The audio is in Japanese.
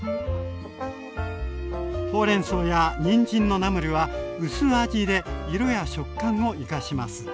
ほうれんそうやにんじんのナムルは薄味で色や食感を生かします。